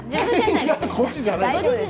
こっちじゃない。